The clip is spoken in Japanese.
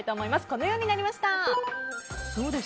このようになりました。